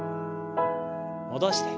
戻して。